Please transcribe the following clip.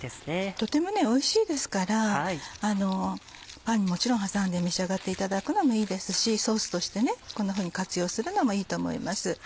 とてもおいしいですからパンに挟んで召し上がっていただくのもいいですしソースとしてこんなふうに活用するのもいいと思います。